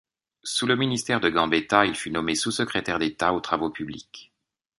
Sous le ministère de Gambetta, il fut nommé sous-secrétaire d'État aux Travaux publics.